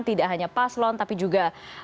tidak hanya paslon tapi juga